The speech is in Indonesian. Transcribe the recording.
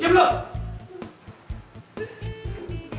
nanti ya terus